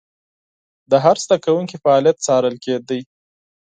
د هر زده کوونکي فعالیت څارل کېده.